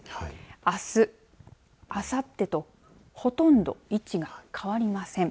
あす、あさってとほとんど位置が変わりません。